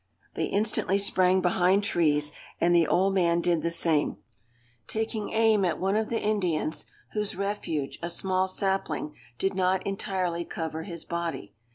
They instantly sprang behind trees, and the old man did the same, taking aim at one of the Indians, whose refuge, a small sapling, did not entirely cover his body.